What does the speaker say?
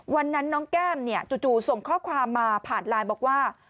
วันนั้นน้องแก้มจู่ส่งข้อความมาผ่านไลน์บอกว่า